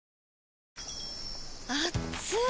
あっつい！